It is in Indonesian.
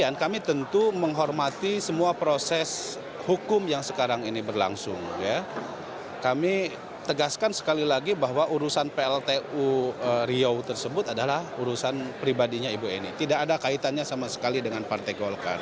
aceh mengatakan golkar akan kooperatif dengan kpk jika memang kpk akan mengaudit keuangan partai